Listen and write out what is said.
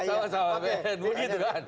sama sama begitu kan